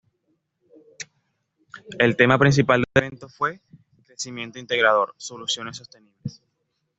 El tema principal del evento fue ""Crecimiento integrador: soluciones sostenibles"".